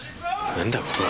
なんだここは。